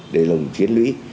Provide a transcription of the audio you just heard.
để lùng chiến lũy